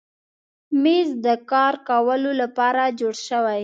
مېز د کار کولو لپاره جوړ شوی.